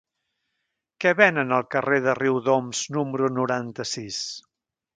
Què venen al carrer de Riudoms número noranta-sis?